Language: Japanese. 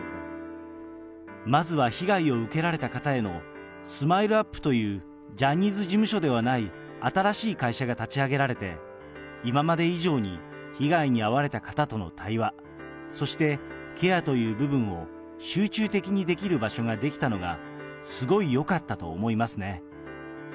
まずは被害を受けられた方へのスマイルアップという、ジャニーズ事務所ではない新しい会社が立ち上げられて、今まで以上に被害に遭われた方との対話、そしてケアという部分を集中的にできる場所が出来たのがすごいよかったと思いますね。